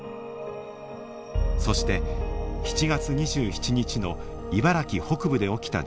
そして７月２７日の茨城北部で起きた地震。